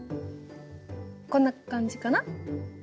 こんな感じかな？